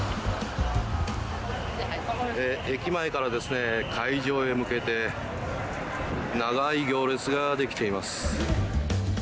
駅前から会場へ向けて長い行列ができています。